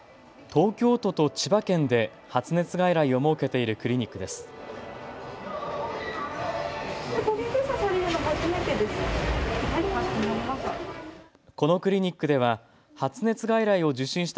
東京都と千葉県で発熱外来を設けているクリニックです。